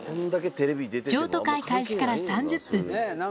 譲渡会開始から３０分。